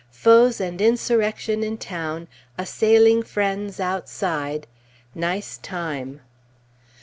Foes and insurrection in town, assailing friends outside. Nice time!